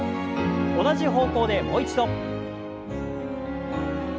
同じ方向でもう一度。